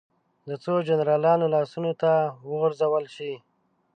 د څو جنرالانو لاسونو ته وغورځول شي.